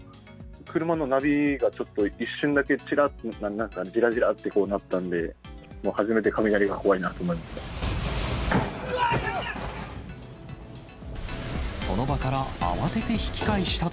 車のナビがちょっと、一瞬だけちらって、ぎらぎらってなったんで、初めて雷が怖いなと思いました。